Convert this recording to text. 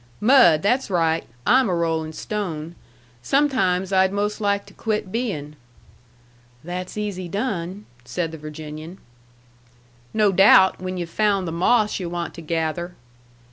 "Mud! That's right. I'm a rolling stone. Sometimes I'd most like to quit being." "That's easy done," said the Virginian. "No doubt, when yu've found the moss yu' want to gather."